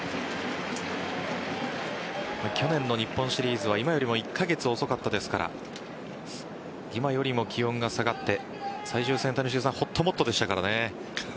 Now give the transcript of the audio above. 去年の日本シリーズは今よりも１カ月遅かったですから今よりも気温が下がって最終戦ほっともっとでしたからね。